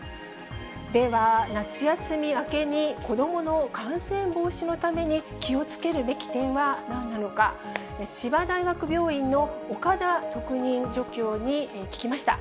では、夏休み明けに子どもの感染防止のために気をつけるべき点はなんなのか、千葉大学病院の岡田特任助教に聞きました。